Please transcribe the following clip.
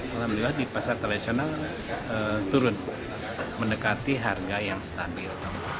alhamdulillah di pasar tradisional turun mendekati harga yang stabil